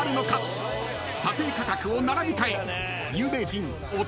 ［査定価格を並び替え！］